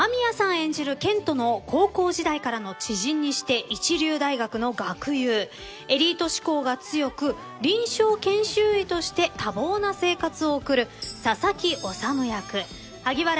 演じる健人の高校時代からの知人にして一流大学の学友エリート思考が強く臨床研修医として多忙な生活を送る佐々木修役萩原利久さんです。